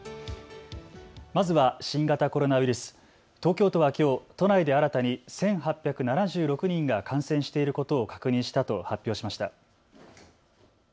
まずは新型コロナウイルス東京都はきょう、都内で新たに１８７６人が感染していることを確認したと発表しました。